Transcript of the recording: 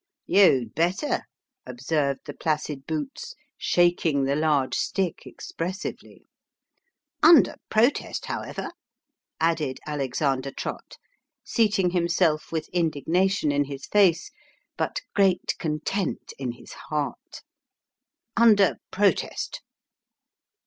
" You'd better," observed the placid boots, shaking the large stick expressively. " Under protest, however," added Alexander Trott, seating himself with indignation in his face, but great content in his heart. " Under protest."